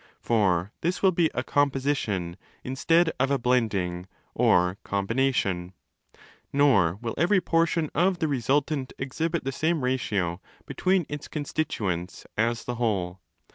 (For this will be a 'composition' instead of a ' blending' or ' com bination': nor will every portion of the resultant exhibit the same ratio between its constituents as the whole.